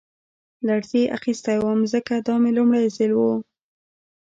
لړزې اخیستی وم ځکه دا مې لومړی ځل و